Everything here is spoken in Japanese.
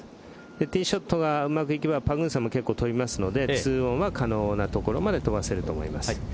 ティーショットがうまくいけばパグンサンも結構飛びますので２オンは可能な所まで飛ばせると思います。